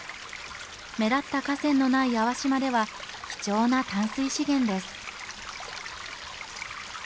目立った河川のない粟島では貴重な淡水資源です。